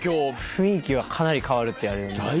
雰囲気はかなり変わるって言われますね。